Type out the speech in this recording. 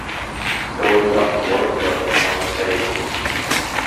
Those last words were a strong statement.